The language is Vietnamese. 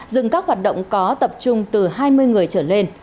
dừng các hoạt động có tập trung từ hai mươi người trở lên